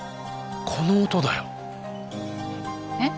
この音だよ。えっ？